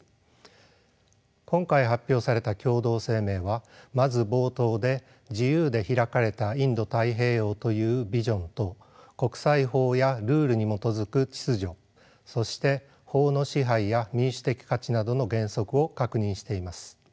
今回発表された共同声明はまず冒頭で「自由で開かれたインド太平洋」というビジョンと国際法やルールに基づく秩序そして法の支配や民主的価値などの原則を確認しています。